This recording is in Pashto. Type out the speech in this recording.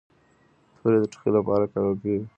توري د ټوخي لپاره ګټور دي.